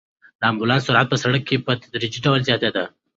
د امبولانس سرعت په سړک کې په تدریجي ډول زیاتېده.